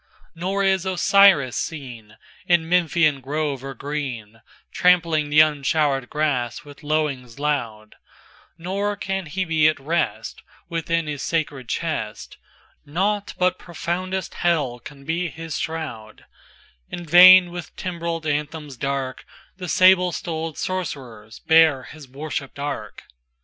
XXIVNor is Osiris seenIn Memphian grove or green, Trampling the unshowered grass with lowings loud; Nor can he be at restWithin his sacred chest; Nought but profoundest Hell can be his shroud; In vain, with timbreled anthems dark, The sable stolèd Sorcerers bear his worshiped ark.